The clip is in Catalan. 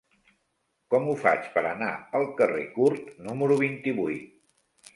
Com ho faig per anar al carrer Curt número vint-i-vuit?